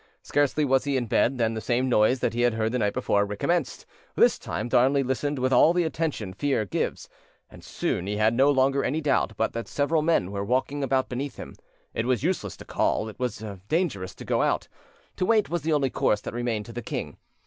Scarcely was he in bed than the same noise that he had heard the night before recommenced; this time Darnley listened with all the attention fear gives, and soon he had no longer any doubt but that several men were walking about beneath him. It was useless to call, it was dangerous to go out; to wait was the only course that remained to the king.